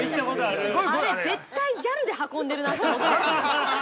あれ、絶対ＪＡＬで運んでるなって思って。